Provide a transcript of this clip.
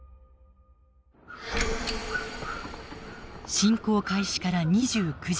侵攻開始から２９時間。